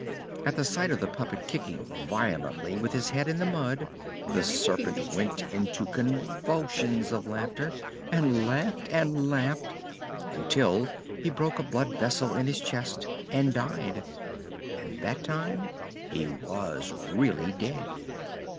At the sight of the puppet kicking violently with his head in the mud, the Serpent went into convulsions of laughter, and laughed, and laughed, until he broke a blood vessel in his chest and died. And that time he was really dead.